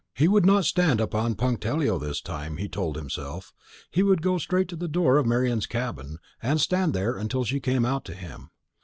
He would not stand upon punctilio this time, he told himself; he would go straight to the door of Marian's cabin, and stand there until she came out to him.